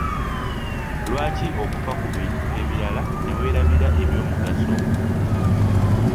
Lwaki okufa ku bintu ebirala ne weerabira eby’omugaso?